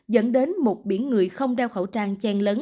dẫn đến một biển người không đeo khẩu trang